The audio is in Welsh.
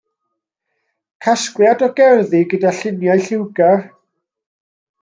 Casgliad o gerddi gyda lluniau lliwgar.